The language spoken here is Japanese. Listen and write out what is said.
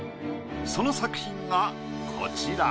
その作品がこちら。